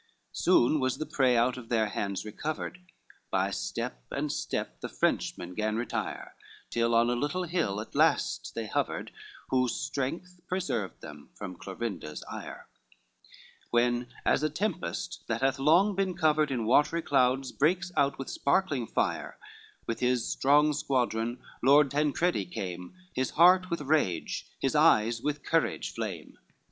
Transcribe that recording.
XVI Soon was the prey out of their hands recovered, By step and step the Frenchmen gan retire, Till on a little hill at last they hovered, Whose strength preserved them from Clorinda's ire: When, as a tempest that hath long been covered In watery clouds breaks out with sparkling fire, With his strong squadron Lord Tancredi came, His heart with rage, his eyes with courage flame.